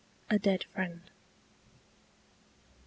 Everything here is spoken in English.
A DEAD FRIEND. I.